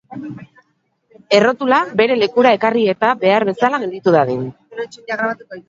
Errotula bere lekura ekarri eta behar bezala gelditu dadin.